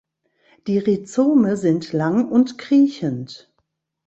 Die Rhizome sind lang und kriechend.